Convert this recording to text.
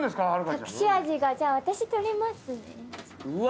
隠し味がじゃあ私取りますね。